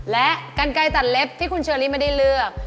และกันไกลตัดเล็บที่คุณเชอรี่ไม่ได้เลือก